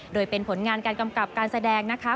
โดยเป็นผลงานการกำกับการแสดงนะคะ